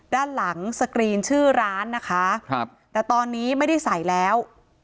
ด้านหลังสกรีนชื่อร้านนะคะครับแต่ตอนนี้ไม่ได้ใส่แล้ว